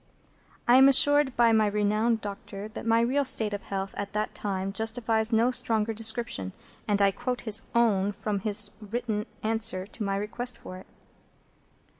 I am assured by my renowned doctor that my real state of health at that time justifies no stronger description, and I quote his own from his written answer to my request for it.